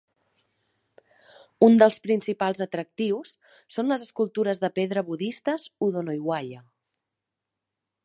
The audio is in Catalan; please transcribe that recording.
Un dels principals atractius són les escultures de pedra budistes Udonoiwaya.